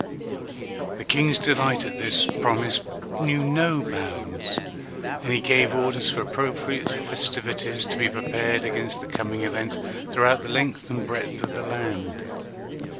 The King's delight at this promise knew no bounds, and he gave orders for appropriate festivities to be prepared against the coming event throughout the length and breadth of the land.